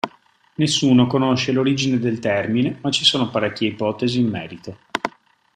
Nessuno conosce l'origine del termine, ma ci sono parecchie ipotesi in merito.